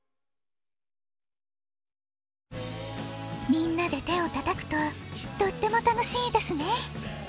みんなでてをたたくととってもたのしいですね。